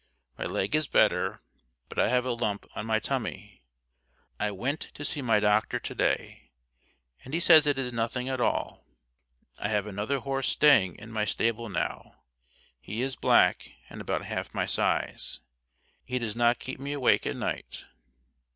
My leg is better but I have a lump on my tummy. I went to see my doctor to day, and he says it is nothing at all. I have another horse staying in my stable now; he is black, and about half my size. He does not keep me awake at night.